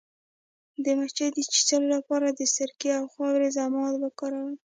د مچۍ د چیچلو لپاره د سرکې او خاورې ضماد وکاروئ